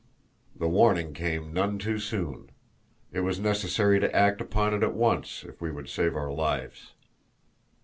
The warning came none too soon. It was necessary to act upon it at once if we would save our lives.